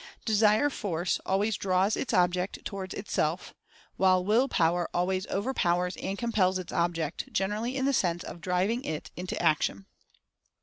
Desire Force always draws its object toward itself; while Will Power al ways overpowers and compels its object, generally in the sense of driving it into action.